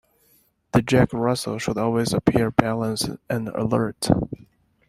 The Jack Russell should always appear balanced and alert.